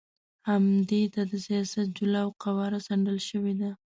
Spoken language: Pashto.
همدې ته د سیاست جوله او قواره سکڼل شوې ده.